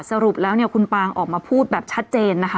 สรุปแล้วเนี่ยคุณปางออกมาพูดแบบชัดเจนนะคะ